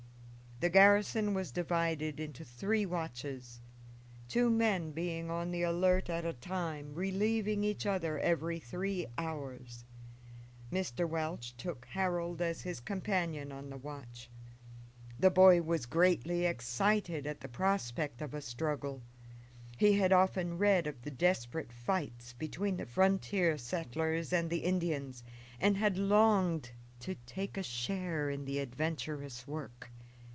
The garrison was divided into three watches, two men being on the alert at a time, relieving each other every three hours. Mr. Welch took Harold as his companion on the watch. The boy was greatly excited at the prospect of a struggle. He had often read of the desperate fights between the frontier settlers and the Indians, and had longed to take a share in the adventurous work.